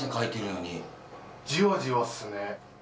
じわじわっすね。